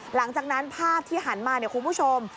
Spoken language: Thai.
หลังจากนั้นภาพที่หันมาเนี่ยคุณผู้ชม